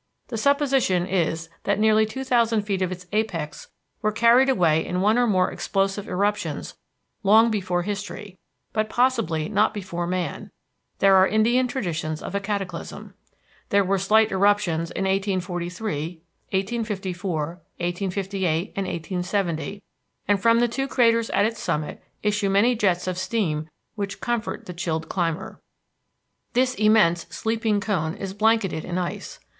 The supposition is that nearly two thousand feet of its apex were carried away in one or more explosive eruptions long before history, but possibly not before man; there are Indian traditions of a cataclysm. There were slight eruptions in 1843, 1854, 1858, and 1870, and from the two craters at its summit issue many jets of steam which comfort the chilled climber. This immense sleeping cone is blanketed in ice.